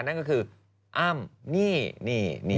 นั่นก็คืออ้ำนี่นี่นี่นี่